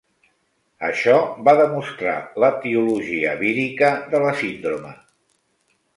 Això va demostrar l'etiologia vírica de la síndrome.